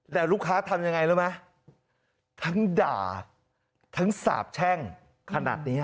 แต่ลูกค้าทำยังไงรู้ไหมทั้งด่าทั้งสาบแช่งขนาดนี้